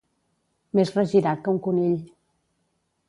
Més regirat que un conill.